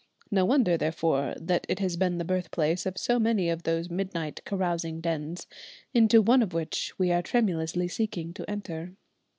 No wonder, therefore, that it has been the birthplace of so many of those midnight carousing dens, into one of which we are tremulously seeking to enter.